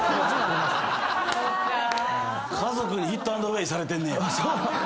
家族にヒットアンドアウェーされてんねや。